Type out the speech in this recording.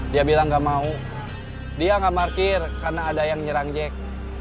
dia bilang gak mau dia gak markir karena ada yang nyerang jack